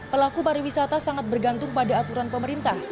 pelaku pariwisata sangat bergantung pada aturan pemerintah